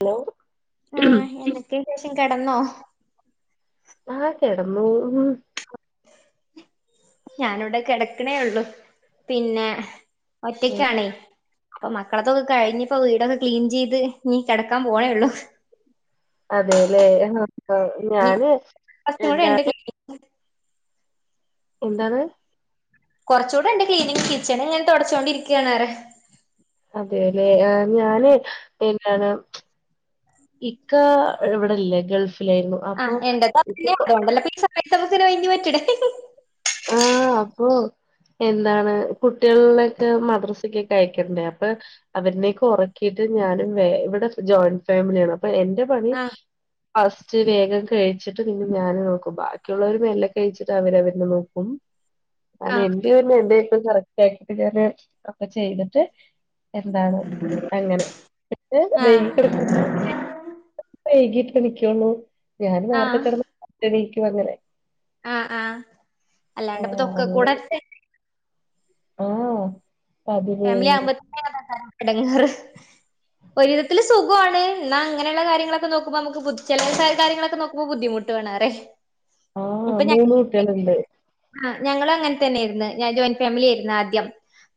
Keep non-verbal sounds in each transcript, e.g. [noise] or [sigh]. Hello ആ എന്നൊക്കെ ശേഷം കിടന്നോ? ആ കിടന്നൂ. ഞാനിവിടെ കിടക്കണേ ഉള്ളൂ. പിന്നെ ഒറ്റക്കണേ. അപ്പൊ മക്കളത്തൊക്കെ കഴിഞ്ഞിപ്പ വീടൊക്കെ ക്ലീൻ ചെയ്ത് ഇനീ കിടക്കാൻ പോണേള്ളൂ. അതെല്ലേ ഇനി ഞാന് കുറച്ചും കൂടെ ഉണ്ട് എന്താണ്? ക്ലീനിങ് എന്താണ്? കുറച്ചുകൂടെ ഉണ്ട് ക്ലീനിങ് കിച്ചണ ഇങ്ങനെ തുടച്ചുകൊണ്ടിരിക്കണ്. അതെല്ലെ ഞാന് എന്താണ്? ഇക്ക ഇവടെല്ല ഗൾഫിലായിരുന്നു. ആ അപ്പൊ എന്റെ അതുകൊണ്ടല്ല ഈ സമയത്ത്ങ്ങനെ ഒഴിഞ്ഞു പറ്റണേ ഹി ഹി ആ അപ്പൊ എന്താണ് കുട്ടികളിലൊക്കെ മദ്രസക്കക്കെ അയക്കണ്ടേ അപ്പൊ അവരിനേക്ക ഉറക്കിയിട്ട് ഞാനും ഇവിടെ ജോയിന്റ് ഫാമിലിയാണ്. അ എന്റെ പണി ആഹ് ഫസ്റ്റ് വേഗം കഴിച്ചിട്ട് നിന്ന ഞാന് നോക്കും ബാക്കിയുള്ളവരു മെല്ലെ കഴിച്ചിട്ട് അവരഅവന്റെ നോക്കും അ ആഹ് എന്റെ എനിക്ക് കിട ഒക്കെ ചെയ്തിട്ട് എന്താണ് അങ്ങനെ ആഹ് [inaudible] ഞാൻ നേർത്തെ ആഹ് കിടന്ന്ക്ക് ഫസ്റ്റ് എണീക്കും അങ്ങനെ ആഹ് ആഹ് ആ അല്ലാണ്ട്പ്പൊ തൊക്ക കൂടെ ആഹ് ഫമിലിയാകുംത്തെക്കുമാ ഇടങ്ങേറ് ഒരുരവിധത്തിൽ സുഖമാണ് എന്നാങ്ങെയുള്ള കാര്യങ്ങൾ ഒക്കെ നോക്കുമ്പൾ നമുക്ക് ചിലവും കാര്യങ്ങളും നോക്കുമ്പൾ ബുദ്ധിമു ട്ടാണ് ആ ഇപ്പൊ ഞ മൂന്ന് കുട്ടികളുണ്ട് ആ ഞൾ അങ്ങനെ തന്നൊയിയിരുന്നു ഞാൻ ജോയിന്റ് ഫാമിലി ആയിരുന്നു ആദ്യം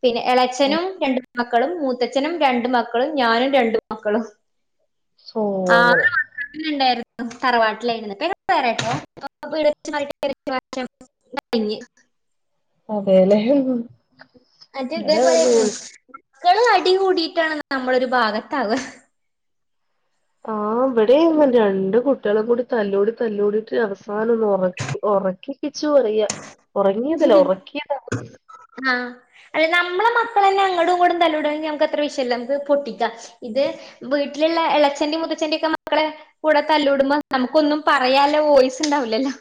പിന്നെ ആ, ഇളച്ചനും രണ്ട് മക്കളും മൂത്തച്ഛനും രണ്ടുമക്കളും ഞാനും രണ്ടു മക്കളും സോ അങ്ങനെ ആഹ് [unintelligible] അങ്ങനണ്ടായിരുന്നു തറവാട്ടിലായി എട്ടോ [unintelligible] ക [unintelligible] അതേലെ ഹ് അതെ അതേപോലെെക്ക അടികൂടിട്ടാണ് നമ്മളൊ ഒരു ഭാഗത്താവുക ആ ഇവിടെ രണ്ട കുട്ടികളും കൂടി തല്ല് കൂടി തല്ല് കൂടിട്ട് അവസാനം ഒന്ന് ഉറ ഉറക്കി [unintelligible] ഉറങ്ങിയതല്ല ഉറക്കിയതാ ആഹ് അല്ല നമ്മള മക്കള് തന്നെ അങ്ങടും ഇങ്ങോടും തല്ലുകൂടണെങ്കി നമുക്ക് അത്ര വിഷയമല്ല നമുക്ക് പൊട്ടിക്കാം ഇത് വീട്ടിലുള്ള ഇളയച്ചന്റെ മുത്തച്ചെന്റെ ഒക്കെ മക്കളെ കൂടെ തല്ല് കൂടുമ്പോ നമുക്കൊന്നും പറയാനുള്ള വോയിസ് ഉണ്ടാവില്ലല്ലോ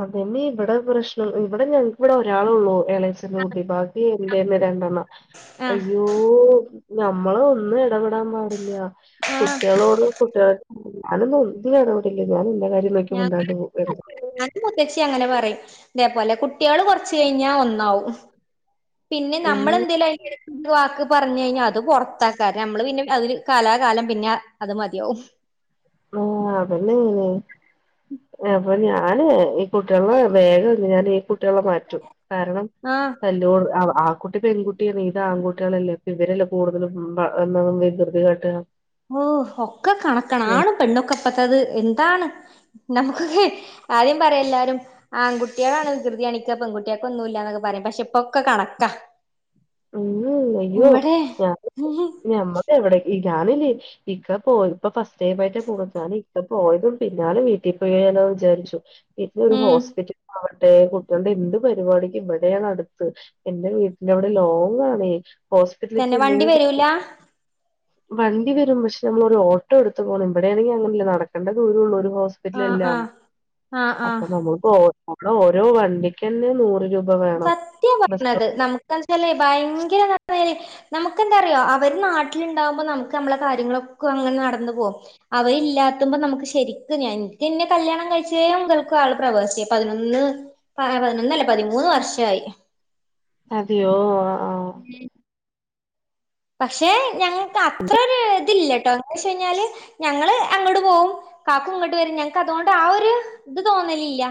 അതന്നെ ഇവിടെ പ്രശ്നം ഇവിടെ ഞങ്ങക്കിവിടെ ഒരാളുള്ളു ഇളയച്ചന്റെ കുട്ടി ബാക്കി ന്ന രണ്ടണ്ണം. ആഹ് അയ്യോ ഞമ്മള് ഒന്നും ഇടപെടാൻ പാടില്ല ആഹ് കുട്ടികളോട് കുട്ടികൾ ഞാനൊന്നും ഒന്നിലും ഇടപെടില്ലേ ഞാൻ എന്റെ കാര്യം നോക്കി മുന്നോട്ട് പോകും എന്താ [inaudible] മുത്തച്ചി അങ്ങനെ പറയും ഇതേപോലെ കുട്ടികൾ കുറച്ച് കഴിഞ്ഞാൽ ഒന്നാവും പിന്നെ ഉം നമ്മളെന്തേലും ആയി ഒരുവാക്ക് പറഞ്ഞ് കഴിഞ്ഞാൽ അത് പുറത്താക്കാറ് നമ്മള് പിന്നെ അതില് കലാകാലം പിന്നെ അത് മതിയാവും ആഹ് അതന്നെ [unintelligible] അപ്പൊ ഞാന് ഈ കുട്ടികളോട് വേഗം ഞാൻ ഈ കു കുട്ടികളെ മാറ്റും കാരണം ആഹ് തല്ലു കൂടി ആ ആ കു മറ്റത് പെൺകുട്ടിയാണ് ഇത് ആൺകുട്ടികളല്ലേ ഇപ്പ ഇവരല്ലേ കൂടുതലും വികൃതി കാട്ടുക ഓഹ് ഒക്കെ കണക്കാണ് ആണും പെണ്ണൊക്കെപ്പത്തത് എന്താണ് നമക്കൊക്കെ ആദ്യം പറയും എല്ലാരും ആൺകുട്ടികളാണ് വികൃതിയാണിക്ക പെൺകുട്ടൊക്കെ ഒന്നുംഇല്ലന്നൊക്കെ പറയാം പക്ഷെ ഇപ്പൊക്ക കണക്കാ ഉം അയ്യോ ഇവിടെ ഞ ഉം ഞമ്മക്ക് ഇവിടെ [inaudible] ഇക്ക പോയപ്പൊ ഫസ്റ്റ് ടൈം ആയിട്ട് പോയപ്പോ ഞാന് ഇക്ക പോയതും പിന്നാലെ വീട്ടിൽ പോയാലോന്ന് വിചാരിച്ചു ഇപ്പ ഒരു ഹോസ്പിറ്റൽ ആവട്ടെ കു ട്ടികളുടെ എന്ത് പരിപാടിക്കും ഇവിടെയാണ് അടുത്ത്, എന്റെ വീട്ടിന്റെവിടെ ലോങ്ങാണേ ഹോസ്പിറ്റലിലേക്ക് തന്നെ വണ്ടി എന്തെങ്കിലും വരൂല [inaudible] വണ്ടി വരും പക്ഷെ നമ്മളൊരു ഓട്ടോ എടുത്ത് പോണം ഇവിടെയാണെങ്കിൽ അങ്ങനെല്ല നടക്കേണ്ട ദൂരേ ഉള്ളൂ ഒരു ഹോസ് ആഹ് പിറ്റലെല്ലാം. ആഹ് ആഹ് അപ്പ ആഹ് നമ്മളിപ്പൊ ഓ അവിടെ ഓരോ വണ്ടിക്ക്ന്നെ നൂറ് രൂപ വേണം സത്യാ ബസ് പറഞ്ഞത് സ്റ്റോപ്പിൽ നമുക്കച്ചല്ലേ ഭയങ്കര [inaudible] നമുക്കെന്താറിയോ അവര് നാട്ടിലുണ്ടാകുമ്പോ നമുക്ക് നമ്മളെ കാര്യങ്ങളൊക്കെ അങ്ങനെ നടന്ന് പോകും അവ ഇല്ലാത്തുമ്പ നമുക്ക് ശരിക്കും ഞ എൻ എന്നെ കല്യാണം കഴിച്ച മുതൽക്ക് ആള് പ്രവാസിയാ, പതിനൊന്ന് പതിനൊന്നല്ലേ പതിമൂന്ന് വർഷമായി അതെയോ ആഹ് പക്ഷെ ഞങ്ങൾക്ക് അത്രൊരു ഇതില്ലട്ടോ എന്താന്ന് വച്ച് കഴിഞ്ഞാല് ഞങ്ങള് അങ്ങോട്ട് പോവും ഇ കാക്ക ഇങ്ങോട്ട് വരും ഞങ്ങക്ക് അതുകൊണ്ട് ആ ഒരു ഇത് തോന്നലില്ല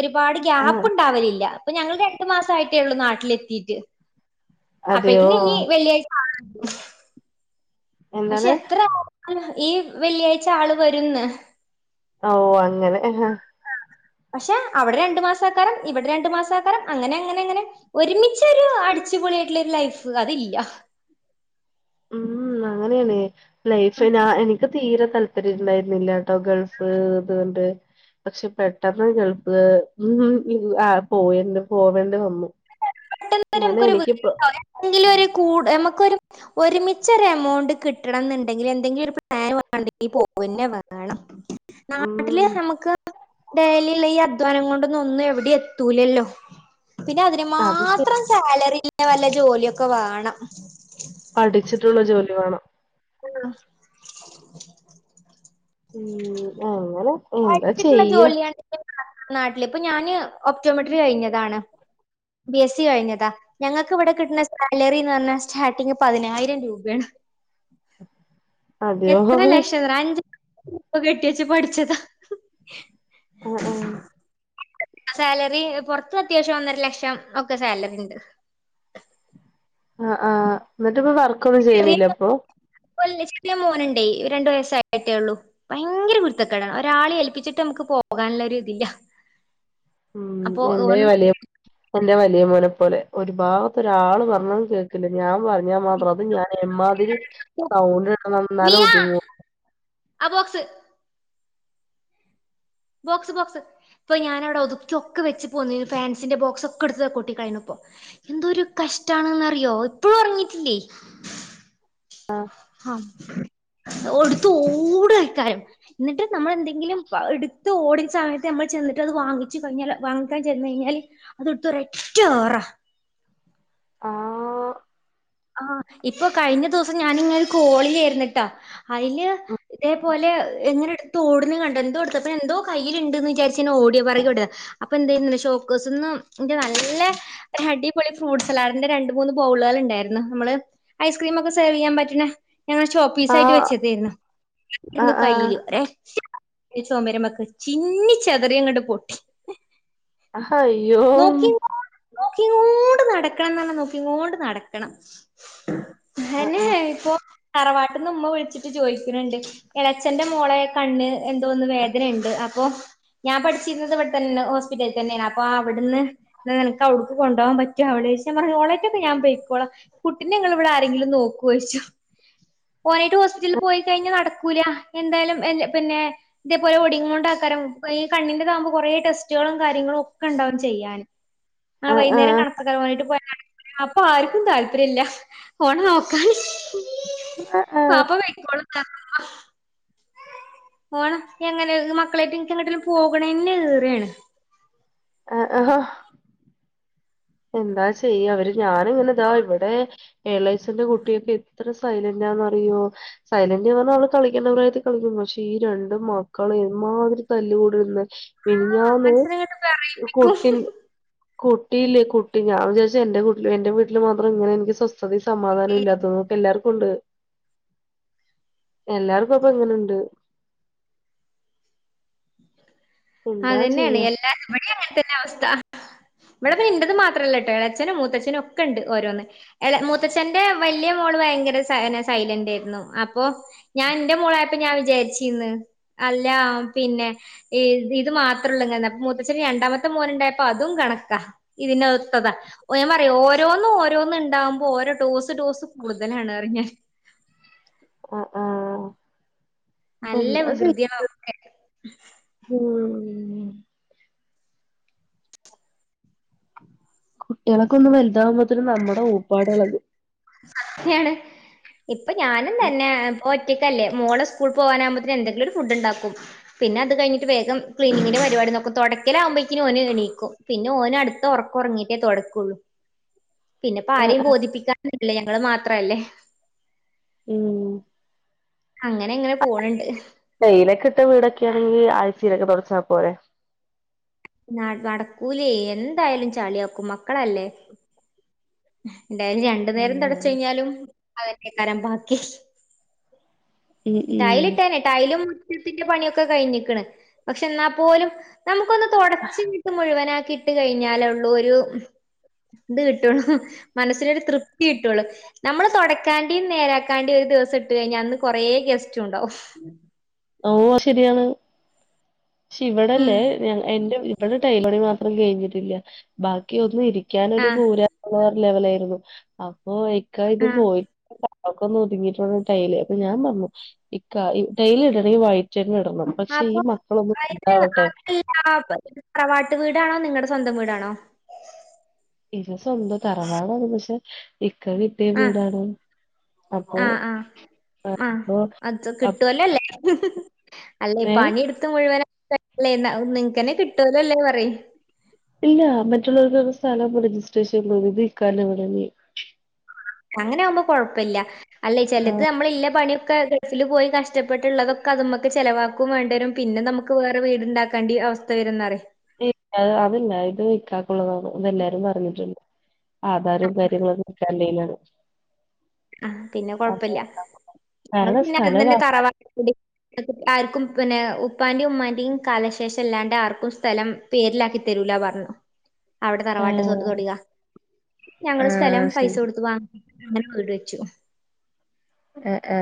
ഒരുപാട് ആ ആ ഗ്യാപ്പ് ഉണ്ടാവലില്ല അപ്പൊ ഞങ്ങൾ രണ്ടു മാസ ആയിട്ടേയുള്ളൂ നാട്ടിലെത്തിട്ട് അപ്പക്കി അതെയോ ഇനി വെള്ളിയാഴ്ച [inaudible] പക്ഷെ എന്താണ് എത്ര ആകും ഈ വെള്ളിയാഴ്ച ആള് വരുന്ന് ഓഹ് അങ്ങനെ പക്ഷെ അവിടെ രണ്ടു മാസം ആക്കാരം ഇവിടെ രണ്ടു മാസം ആക്കാരം അങ്ങനെ അങ്ങനെ അങ്ങനെ ഒരുമിച്ച ഒരു അടിച്ചുപൊളിയായിട്ടുള്ള ഒരു ലൈഫ് അതില്ല ഉം അങ്ങനെയാണെ ലൈഫ് ഉം. എനി ക്ക് തീരെ താല്പര്യംണ്ടായിരുന്നില്ല ട്ടോ ഗൾഫ് അതുകൊണ്ട് പക്ഷെ പെട്ടെന്ന് ഗൾഫില് പോവേ പോവേണ്ടി വന്നു [inaudible] ഞാൻ എനിക്കിപ്പോ നമക്കൊരു കൂ ഒരുമിച്ചൊരു എമൗണ്ട് കിട്ടണം എന്നുണ്ടെങ്കിൽ എന്തെങ്കിലുമൊരു പ്ലാ നുണ്ടെങ്കി പോവന്നെ വേണം. നാട്ടില് ഉം നമുക്ക് ഡെലിയുള്ള ഈ അധ്വാ ധ്വാനം കൊണ്ടൊന്നും ഒന്നും എവിടെം എത്തൂലല്ലോ പിന്നെ അതിനും മാ അത് ശരി ത്രം സാലറിള്ള വല്ല ജോലിയൊക്കെ വേണം പഠിച്ചിട്ടുള്ള ജോലി വേണം ആഹ് ഉം ആഹ അല്ലെ വഴച്ചിട്ടുള്ള ജോലിയാണ് നാട്ടില് ഇപ്പൊ ഞാന് ഒക്ട്ഓപറ്റോമെട്രി കഴിഞ്ഞതാണ് ബി എസ് സി കഴിഞ്ഞതാ ഞങ്ങൾക്ക് ഇവിടെ കിട്ടുന്ന സാലറിന്ന് പറഞ്ഞാൽ സ്റ്റാർട്ടിങ് പതിനായിരം രൂപയാണ് അതെയോ എത്ര ലക്ഷം അഞ്ച പ്പ കെട്ടിയച്ച പഠിച്ചതാ ആ ആ സാലറി പറത്ത് അത്യാവശ്യം ഒന്നര ലക്ഷം ഒക്കെ സാലറി ഉണ്ട് ആ ആഹ് എന്നിട്ട് ഇപ്പ വർക്ക് ഒന്നും ചെയ്യണില്ല അപ്പൊ ല്ല ചെറിയ മോനണ്ടേ രണ്ടു വയസ്സായിട്ടേ ഉള്ളൂ ഭയങ്കര കുുരുത്തക്കടാണ് ഒരാൾ ഏൽപ്പിച്ചിട്ട് നമുക്ക് പോകാനുള്ള ഒരു ഇതില്ല അപ്പൊ നന്നായി ഓന് വലയും എന്റെ വലിയ മോനെ പോലെ ഒരു ഭാഗത്ത ഒരാള് പറഞ്ഞന്ന് കേൾക്കില്ല ഞാൻ പറ മാത്രം അത് ഞാൻ എ്മാതിരി സൗണ്ട്എടുക്കണം എന്നാലേ മിയ ഒതുങ്ങു ആ ബോക്സ് ബോക്സ് ബോക്സ് ഇപ്പൊ ഞാന അവിടെ ഒതുക്കൊക്കെ വെച്ച് പോന്ന ഫാൻസിന്റെ ബോക് ഒക്ക എടു കൊട്ടി കഴിഞ്ഞ ഇപ്പോ എന്തോ ഒരു കഷ്ടണെന്ന അറിയോ ഇപ്പോഴും ഉറങ്ങീട്ടില്ലേ ഹഹ ഒടുത്ത ഓട ആക്കാര എന്നിട്ട് നമ്മളെന്തെങ്കിലും എടുത്ത് ഓടുന്ന സമയത്ത് നമ്മൾ ചെന്നിട്ട് അത് വാങ്ങിച്ചു കിഞ്ഞാൽ വാങ്ങിക്കാൻ ചെന്ന കഴിഞ്ഞാല് അത് എടുത്ത ഒറ്റ ഏറ ആഹ് ആഹ ഇപ്പൊ കഴിഞ്ഞ ദിവസം ഞാനിങ്ങ കോളി ിട്ടാ അതില് ഇതേപോലെ എങ്ങനെ എടുത്തു ഓടന്ന് കണ്ട എന്തോടുത്ത അപ്പെ എന്തോ കയ്യിലണ്ടന്ന് വിചാരിച് ഞാൻ ഓടി പുറകിൽ ഓടി അപ്പൊ എന്ത ചെയ്യുന്നു ഷോക്കസ്ന്ന് എന്റെ നല്ല ഒരു അടിൊള ഫ്രൂ്സ് സലാടിന്റെ രണ്ട മൂന്ന് ബൗളുകൾ ഉണ്ടായിരുന്നു നമ്മൾ ഐസ് ക്രീം ഒക്കെ സെർവ് ചെയ്യാൻ പറ്റുന്ന ഞങ്ങൾ ഷോപ്പ് പീസ ആ ആയിട്ട് ആ വെച്ചതരുന്നുന്ന് ആ കയ്യിയില് ഒര ചോമരമക്ക് ചിന്ന ചെതറിയ അങ്ങോട്ട് പൊട്ടി ഹയോം നോക്കിങ്ങോ നോക്കിങ്ങോണ്ട് നടക്കണം എന്നല്ല നോക്കിങ്ങോണ്ട് നടക്കണം ആ ഞാനെ ആ ഇപ്പൊ തറവാട്ടന്ന് ഉമ്മ വിളിച്ചിട്ട് ചോദിക്കുന്നുണ്ട് ഇളച്ചഛന്റെ മോളയൊ കണ്ണ് എന്തോന്ന് വേദനുണ്ട് അപ്പൊ ഞാൻ പഠിച്ചിരുന്നത് ഇവിടെത്തന്നെ ഹോസ്പിറ്റലിൽ തന്നെയാണ് അപ്പൊ അവിടുന്ന് എന്നാ നിനക്കവടക്ക് കൊണ്ട പോവാൻ പറ്റും അവള ശ പറ മോളേറ്റൊക്കെഞാൻ പോയിക്കും കുട്ടിനെ ഇങ്ങള് ഇവിടെ ആരെങ്കിലും നോക്കൊ ചോദിച്ചു ഓനായിട്ട് ഹോസ്പിറ്റലിൽ പോയി കഴിഞ്ഞ നടക്കൂല എന്തായാലും പിന്നെ ഇതേപോലെ ഒടങ്ങ കൊണ്ട ആക്കാരം ഈ കണ്ണിന്റെ താകുമ്പോ കുറേ ടെസ്റ്റുകളും കാര്യങ്ങളും ഒക്കെ ഉണ്ടാവും ചെയ്യാൻ ആ വൈകുന്നേരം കണക്കെ വന്നിട്ട് പോ അപ്പൊ ആക്കും താല്പര്യല്ല ഫോൺ നോക്കാൻ പപ്പ [inaudible] പൊണം എങ്ങനെ മക്കളായിട്ടും എനക്ക് എങ്ങോട്ടും പോകണന്നെ [unintelligible] ആഹ് ഹോ എന്താ ചെയ്യ അവര് ഞാാനിങ്ങനെതാ ഇവിടെ എളേച്ചന്റെ കുട്ടിയൊക്കെ എത്ര സൈലന്റാന്ന് അറിയോ സൈലന്റ്ന്ന് പറഞ്ഞാ അവള് കളിക്കേണ്ട പ്രായത്തി കളിക്ക പക്ഷെ ഈ രണ്ട് മക്കൾമാതിരി തല്ല കൂടിന്ന് മിനഞ്ഞാന്ന് മനസ്സിനങ്ങട്ട് വിറയിപ്പിക്കും കൂട്ടിൽ കുട്ടിയില്ലെ കുട്ടി ഞാൻ വിചാരിച്ച എന്റെട്ട എന്റെ വീട്ടിൽ മാത്രം ഇങ്ങനെ എനിക്ക് സ്വസ്ഥതയും സമാധാനവും ഇല്ലാതൊന്നും എല്ലാവർക്കുണ്ട് എല്ലാർക്കും അപ്പ ഇങ്ങനെണ്ട് എന്താ അതന്നെയാണ് ചെയ്യാ എല്ലാ ഇവടി അങ്ങന തന്നെ അവസ്ഥ ഇവിട പിന്നെ ഇണ്ടത് മാത്രമല്ല കേട്ടോ ഇളച്ഛനും മൂത്തച്നും ഒക്കെ ഉണ്ട് ഓരോന്ന് എ മൂത്തച്ഛന്റെ വലിയ മോള് ഭയങ്കര സ സൈലന്റ് ആയിരുന്നു അപ്പൊ ഞാൻ എന്റെ മോളായപ്പോ ഞാൻ വിചാരിച്ചിന്ന് അല്ല പിന്നെ ഇത് മാത്രേള്ളപ്പ മൂത്തച്ചന് രണ്ടാമത്തെ മോനുണ്ടായപ്പോ അതും കണക്കാ ഇതിന്റെ ഒത്തതാ ഓ ഞാൻ പറയാ ഓരോന്നും ഓരോന്നും ഉണ്ടാവുമ്പോ ഓരോ ടോസ്ടോസ് കൂടുതലാണ് അറിഞ്ഞാൽ അ ആ നല്ല വികൃതിയാ ഒക്കെ ഉം കുട്ടികളൊക്ക ഒന്ന് വലുതാവുമ്പോത്തേ നമ്മുടെ ഊപ്പാട എളകും അങ്ങാനെയാണ് ഇപ്പൊ ഞാനും തന്നെ ഒറ്റയ്ക്കല്ലേോ മോളെ സ്കൂൾ പോകാനാവുമ്പോത്തിന് എന്തെങ്കിലും ഒരു ഫുഡ് ഉണ്ടാക്കും പിന്നെ അ കിഞ്ഞിട്ട് വേഗം ക്ലീനിങ്ങിന് പരിപാടി നൊക്കും തുടക്കലാവുമ്പോത്തിന് ഓനെ എണീക്കും പിന്നെ ഓനടുത്ത് ഉറക്കുറങ്ങിട്ടേ തുടക്കുള്ളൂ പിന്നെപ്പ ആരെയും ബോധിപ്പിക്കാൻ ഇല്ലേ ഞങ്ങള് മാത്രല്ലേ ഉം അങ്ങനെ അങ്ങനെ പോണണ്ട് ടെയ്ലൊ ഒക്കെ ഇട്ട വീടൊക്കെ ആണെങ്കിൽ ആഴ്ചയിലൊക്കെ തുടച്ചാൽ പോരെ നടക്കൂലെ എന്തായാലും ചാളിയാക്കും മക്കളല്ലേ എന്തായാലും രണ്ടു നേരം ഉം തടച്ച കഴിഞ്ഞാലും അവന്റെ കാരം ബാക്കി ഉം ടൈലിട്ട എന്നെ ടൈലും മുറ്റത്തിന്റെ പണിയൊക്കെ കഴിഞ്ഞിക്ക്‌ണ് പക്ഷെ എന്നാ പോലും നമുക്കൊന്ന് തുടച്ച് ച്ച് മുഴുവനാക്കി ഇട്ട് കഴിഞ്ഞാലൊള്ളൂ ഒരു ഇത് കിട്ടള്ളു മനസ്സിനൊ ഒരു തൃപ്തി കിട്ടുള്ളു നമ്മള് തുടക്കാണ്ടിയും നേരാക്കാണ്ടിയ ഒരു ദിവസം ഇട്ട് കഴിഞ്ഞാൽ അന്ന് കൊറേ ഗെസ്റ്റും ഉണ്ടാവും ഓ അയ് ശെരിയാണ് ഉം ഇവിടല്ലേ എന്റെ ഇവിടെ ടൈൽ പണി മാത്രം കഴിഞ്ഞിട്ടില്ല ബാക്കി ഒന്നും ഇരിക്കാനൊ ഒരു ആഹ് കൂര ലെവലായിരുന്നു അപ്പൊ ഇക്ക ഇത് ആഹ് പോയി അവക്കൊന്ന് ഒതുങ്ങിയിട്ടു ടൈല് അപ്പൊ ഞാൻ പറന്നു ഇക്ക ടൈൽ ഇടണെങ്കി വൈറ്റെന്നെ ഇടണം പക്ഷെ ഈ അപ്പൊ മക്കളൊന്ന് അയിന് വലുതാവട്ടെ അതല്ല തറവാട്ട് വീടാണോ നിങ്ങളടെ സ്വന്തം വീടാണോ ഇത് സ്വന്തം തറവാണാണ് പക്ഷെ ഇക്ക കെട്ടിയ വീടണ് ആഹ ആഹ ആഹ അത് കിട്ടുവല്ലല്ലേ അല്ലേ ഏ പണി എടുത്ത് മുഴുവനല്ലേ നിങ്ങക്കനെ കിട്ടുവലോ അല്ലേ പറയും ഇല്ല മറ്റുള്ളവർക്ക് സ്ഥലം രജിസ്ട്രേഷൻ ഇത്ക്കന്റെ വി അങ്ങനെ ആകുമ്പോ കൊഴപ്പല്ല അല്ലേ ആ ചെലത് നമ്മളില്ല പണിയൊക്കെ ബസ്സിൽ പോയി കഷ്ടപ്പെട്ടുള്ളതൊക്കെ അത് മക്ക് ചെലവാക്കും വേണ്ടിവരും പിന്നെ നമുക്ക് വേറെ വീടു ഉണ്ടാക്കേണ്ടി അവ തെരുന്നറി അതല്ല ഇത് ഇക്കാക്കുള്ളതാണ് അതെല്ലാരും പറഞ്ഞിട്ടു ആധാരും കാര്യങ്ങളും ഇക്കാന്റെലാണ് ആ പിന്നെ കൊഴപ്പല്ല ഇങ്ങൾ കാരണം പിന്നെ അ സ്ഥലം തന്നെ വാങ്ങാൻ തറവാ അ ആർക്കും പിന്നെ ഉപ്പാന്റെയും ഉമ്മാന്റെയും കാലശേഷം അല്ലാണ്ട് ആർക്കും സ്ഥലം പേരിലാക്കി തരൂല പറഞ്ഞു അവിടെ തറവാട്ട് ഏഹ് സ്വത്ത് തൊടിക ഞങ്ങള് സ്ഥലം ആഹ് ശരി പൈസ കൊടുത്ത് വാങ്ങ അങ്ങനെ വീട് വെ ച്ചു എ ഏ